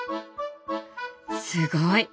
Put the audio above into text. すごい！